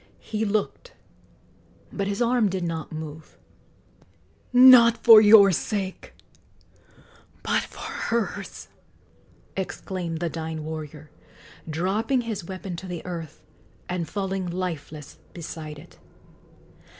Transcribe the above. He looked, but his arm did not move. "Not for your sake, but for hers!" exclaimed the dying warrior, dropping his weapon to the earth and falling lifeless beside it.